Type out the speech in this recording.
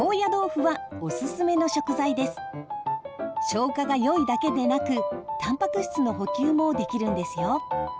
消化がよいだけでなくたんぱく質の補給もできるんですよ。